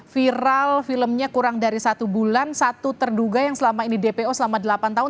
viral filmnya kurang dari satu bulan satu terduga yang selama ini dpo selama delapan tahun